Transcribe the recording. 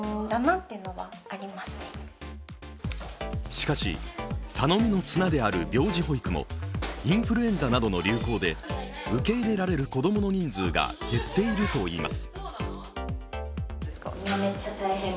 しかし、頼みの綱である病児保育もインフルエンザなどの流行で受け入れられる子供の人数が減っているといいます。